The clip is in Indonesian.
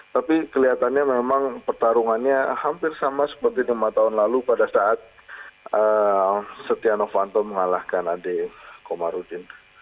tapi kelihatannya memang pertarungannya hampir sama seperti lima tahun lalu pada saat setia novanto mengalahkan ade komarudin